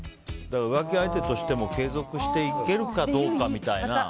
浮気相手としても継続していけるかどうかみたいな。